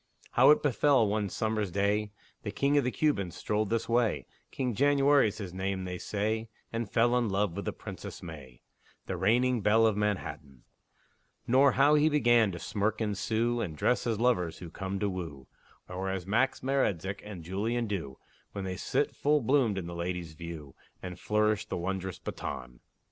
How it befell, one summer's day, The king of the Cubans strolled this way King January's his name, they say And fell in love with the Princess May, The reigning belle of Manhattan; Nor how he began to smirk and sue, And dress as lovers who come to woo, Or as Max Maretzek and Jullien do, When they sit full bloomed in the ladies' view, And flourish the wondrous baton.